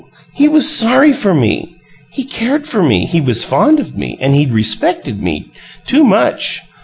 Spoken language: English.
He was sorry for me. He cared for me; he was fond of me; and he'd respected me too much!